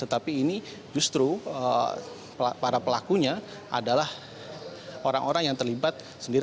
tetapi ini justru para pelakunya adalah orang orang yang terlibat sendiri